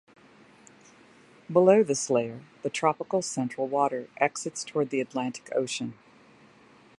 Below this layer, the Tropical Central Water exits toward the Atlantic Ocean.